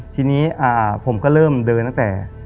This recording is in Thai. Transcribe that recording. ทีนี้ผมก็เริ่มเดินตั้งแต่